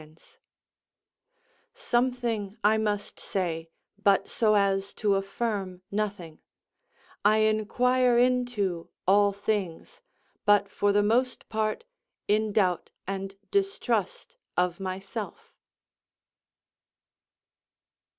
_ "Something I must say, but so as to affirm nothing; I inquire into all things, but for the most part in doubt and distrust of myself."